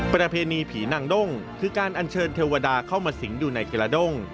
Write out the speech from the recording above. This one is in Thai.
ประเพณีผีนางด้งคือการอัญเชิญเทวดาเข้ามาสิงอยู่ในกระด้ง